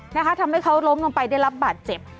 นะคะทำให้เขาล้มลงไปได้รับบาดเจ็บ